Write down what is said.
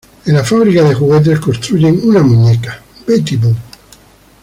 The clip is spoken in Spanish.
En la fábrica de juguetes construyen una muñeca: Betty Boop.